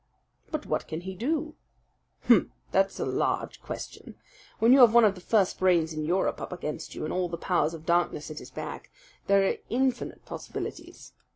"But what can he do?" "Hum! That's a large question. When you have one of the first brains of Europe up against you, and all the powers of darkness at his back, there are infinite possibilities.